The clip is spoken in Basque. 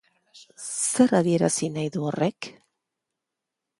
Zer adierazi nahi du horrek?